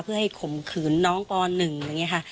เพื่อให้ข่มขืนน้องป๑อย่างนี้ค่ะ